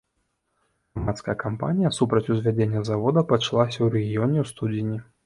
Грамадская кампанія супраць узвядзення завода пачалася ў рэгіёне ў студзені.